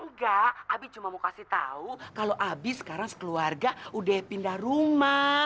enggak abi cuma mau kasih tau kalo abi sekarang sekeluarga udah pindah rumah